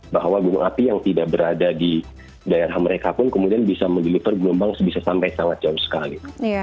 bahwa gunung api yang tidak berada di daerah mereka pun kemudian bisa mendeliver gelombang bisa sampai sangat jauh sekali